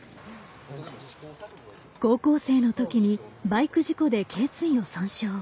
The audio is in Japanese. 高校生のときにバイク事故で頸椎を損傷。